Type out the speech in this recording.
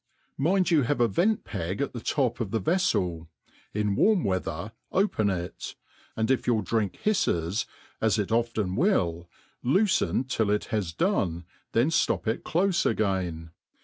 Mind you have a vi^C*p<gat the top of the veflel; in warm weather, open it) aftdiJF your drink hifles, zs it often will, loofen. til] ihbae done» Ifabn ftop it clofe again.